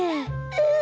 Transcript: うん。